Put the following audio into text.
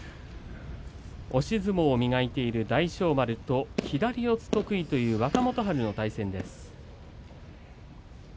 押し相撲を磨いている大翔丸と左四つ得意という若元春の対戦です。